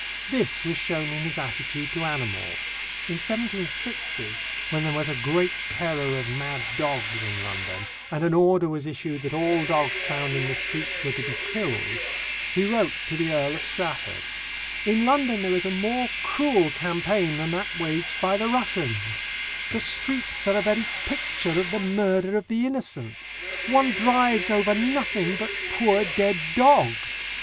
This was shown in his attitude to animals. In 1760, when there was a great terror of mad dogs in London, and an order was issued that all dogs found in the streets were to be killed, he wrote to the Earl of Strafford: In London there is a more cruel campaign than that waged by the Russians: the streets are a very picture of the murder of the innocents one drives over nothing but poor dead dogs!